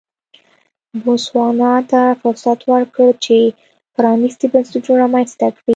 بوتسوانا ته فرصت ورکړ چې پرانیستي بنسټونه رامنځته کړي.